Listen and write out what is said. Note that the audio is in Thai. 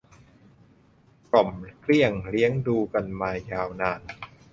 กล่อมเกลี้ยงเลี้ยงดูกันมายาวนาน